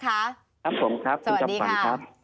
ครับผมครับสวัสดีครับ